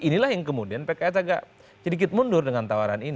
inilah yang kemudian pks agak sedikit mundur dengan tawaran ini